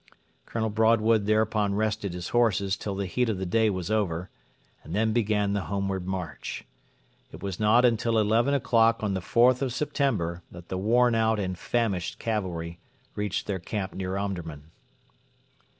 Colonel Broadwood thereupon rested his horses till the heat of the day was over, and then began the homeward march. It was not until eleven o'clock on the 4th of September that the worn out and famished cavalry reached their camp near Omdurman.